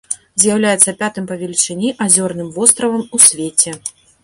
З'яўляецца пятым па велічыні азёрным востравам у свеце.